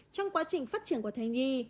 trong quá trình phát triển của thay nhi